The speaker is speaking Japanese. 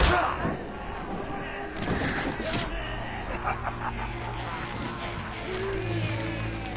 ハハハハ。